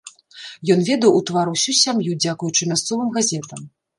Ён ведаў у твар усю сям'ю, дзякуючы мясцовым газетам.